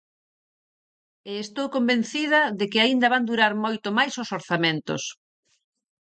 E estou convencida de que aínda van durar moito máis os orzamentos.